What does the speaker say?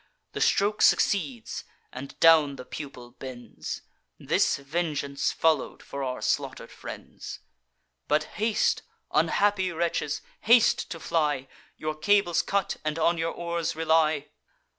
The stroke succeeds; and down the pupil bends: This vengeance follow'd for our slaughter'd friends. But haste, unhappy wretches, haste to fly! Your cables cut, and on your oars rely!